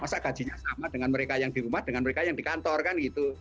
masa gajinya sama dengan mereka yang di rumah dengan mereka yang di kantor kan gitu